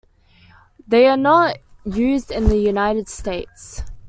They are not used in the United States.